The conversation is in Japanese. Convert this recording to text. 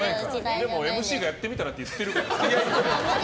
ＭＣがやってみたらって言ってるからさ。